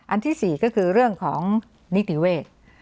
อันที่สี่ก็คือเรื่องของนิติเวท